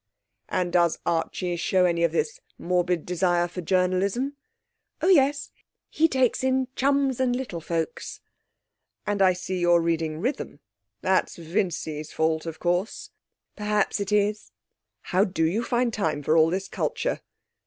'And does Archie show any of this morbid desire for journalism?' 'Oh yes. He takes in Chums and Little Folks.' 'And I see you're reading Rhythm. That's Vincy's fault, of course.' 'Perhaps it is.' 'How do you find time for all this culture?'